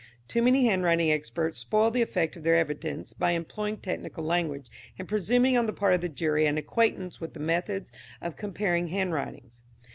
Too many handwriting experts spoil the effect of their evidence by employing technical language and presuming on the part of the jury an acquaintance with the methods of comparing handwritings.